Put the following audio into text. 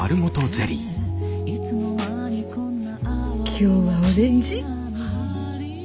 今日はオレンジ。